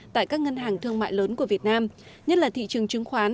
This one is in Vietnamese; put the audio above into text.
tại các ngân hàng thương mại lớn của việt nam nhất là thị trường chứng khoán